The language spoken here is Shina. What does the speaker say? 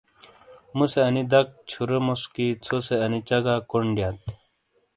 مُو سے انی دک چھُروموس کہ ژھوسے انی چگا کونڈ دیات۔